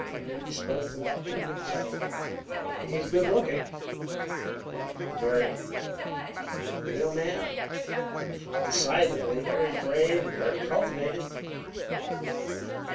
Burnaby spoke without turning his head. "He's good looking." "Very." "A real man." "Decidedly! Very brave and very cultivated."